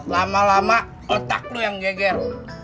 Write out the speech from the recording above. lama lama otak lo yang geger